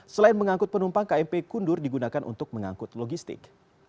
selain mengangkut penumpang kmp kundur digunakan untuk mengangkut logistik